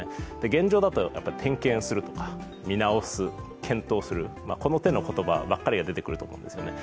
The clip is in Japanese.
現状だと、点検するとか、見直す、検討する、この手の言葉ばかりが出てくると思うんですよね。